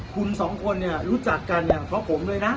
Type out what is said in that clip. คูณสองคนเนี่ยรู้จักกันเพราะผมนะ